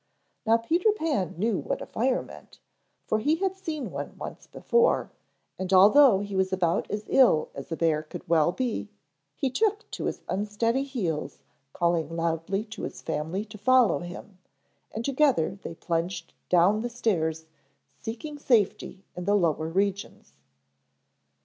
Now Peter Pan knew what a fire meant, for he had seen one once before, and although he was about as ill as a bear could well be, he took to his unsteady heels, calling loudly to his family to follow him, and together they plunged down the stairs, seeking safety in the lower regions.